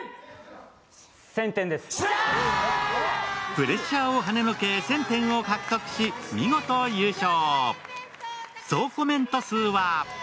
プレッシャーをはねのけ、１０００点を獲得し見事優勝。